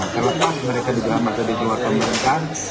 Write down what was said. terlepas mereka di dalam atau di luar pemerintahan